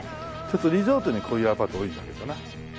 リゾートにこういうアパート多いんだけどな。